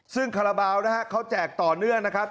ซึ่งคาราบาลนะฮะเขาแจกต่อเนื่องนะครับ